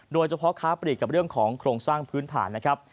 โดยเฉพาะค้าปลีกกับเรื่องของโครงสร้างพื้นฐานนะครับ